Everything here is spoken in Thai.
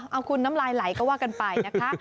เอาคุณน้ำลายไหลก็ว่ากันไปนะคะ